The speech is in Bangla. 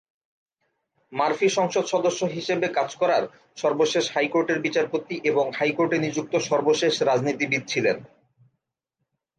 মারফি সংসদ সদস্য হিসেবে কাজ করার সর্বশেষ হাইকোর্টের বিচারপতি এবং হাইকোর্টে নিযুক্ত সর্বশেষ রাজনীতিবিদ ছিলেন।